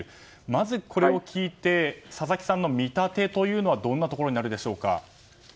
まず、これを聞いて佐々木さんの見立てというのはどんなところになるでしょうか。